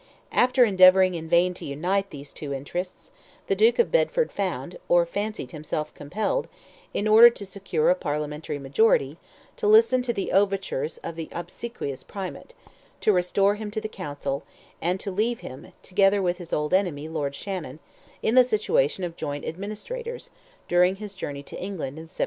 After endeavouring in vain to unite, these two interests, the Duke of Bedford found, or fancied himself compelled, in order to secure a parliamentary majority, to listen to the overtures of the, obsequious Primate, to restore him to the Council, and to leave him, together with his old enemy, Lord Shannon, in the situation of joint administrators, during his journey to England, in 1758.